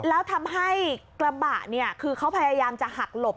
แล้วทำให้กระบะเนี่ยคือเขาพยายามจะหักหลบ